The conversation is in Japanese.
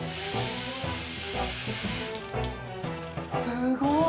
すごい！